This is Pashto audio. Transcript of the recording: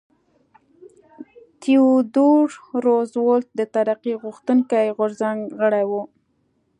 تیودور روزولټ د ترقي غوښتونکي غورځنګ غړی و.